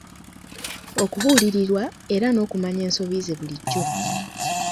Okubuulirirwa era n'okumanya ensobi ze bulijjo.